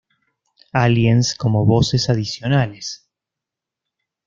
Aliens" como voces adicionales.